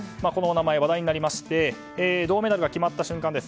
この名前が話題になりまして銅メダルが決まった瞬間